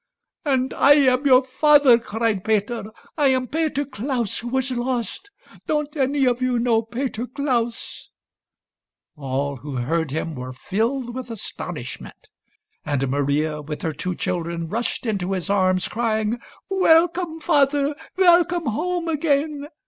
" And I am your father !" cried Peter. " I am Peter Klaus who was lost. Don't any of you know Peter Klaus .?" All who heard him were filled with astonishment ; and Maria, with her two children, rushed into his arms crying, "Welcome, father! Welcome home again